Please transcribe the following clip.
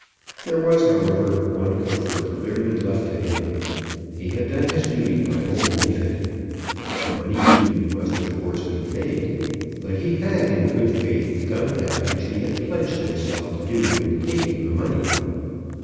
There was, however, one comfort clearly left to him. He had done his duty by old Neefit. The money due must of course be paid; but he had in good faith done that which he had pledged himself to do in taking the money.